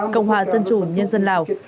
cộng hòa dân chủ nhân dân lào